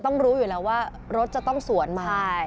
รู้อยู่แล้วว่ารถจะต้องสวนมา